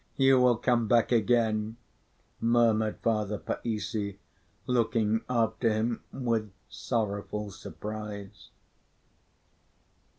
"You will come back again!" murmured Father Païssy, looking after him with sorrowful surprise.